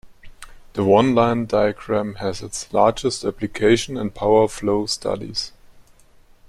The one-line diagram has its largest application in power flow studies.